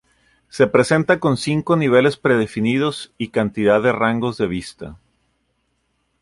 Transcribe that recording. Se presenta con cinco niveles predefinidos y cantidad de rangos de vista.